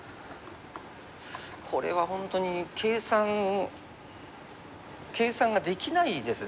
これは本当に計算計算ができないです